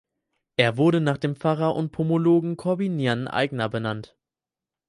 Er wurde nach dem Pfarrer und Pomologen Korbinian Aigner benannt.